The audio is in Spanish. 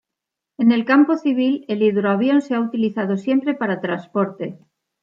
En el campo civil, el hidroavión se ha utilizado siempre para transporte.